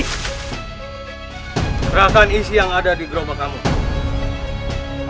serahkan isi yang ada di gerobak kamu